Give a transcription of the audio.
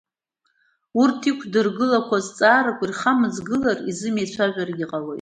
Урҭ иқәдыргылақәо азҵаарақәа ирхамыҵгылар, изымеицәажәаргьы ҟалоит…